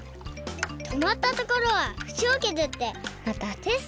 とまったところはふしをけずってまたテスト！